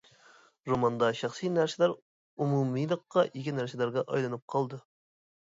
روماندا شەخسىي نەرسىلەر ئومۇمىيلىققا ئىگە نەرسىلەرگە ئايلىنىپ قالدى.